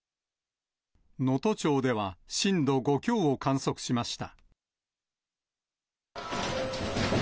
能登町では震度５強を観測しました。